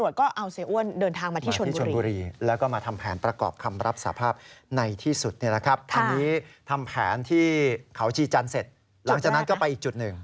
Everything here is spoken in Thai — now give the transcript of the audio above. หลังจากนั้นก็ไปอีกจุดหนึ่ง